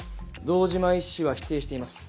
堂島医師は否定しています